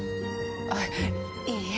あっいいえ